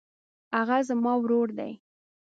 هغه زما ورور دی.